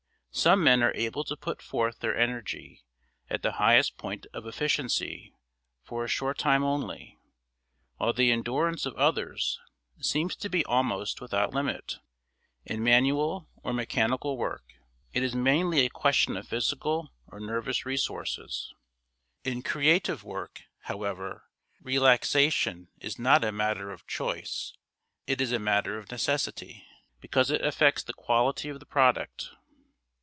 Some men are able to put forth their energy at the highest point of efficiency for a short time only, while the endurance of others seems to be almost without limit. In manual or mechanical work it is mainly a question of physical or nervous resources; in creative work, however relaxation is not a matter of choice; it is a matter of necessity, because it affects the quality of the product.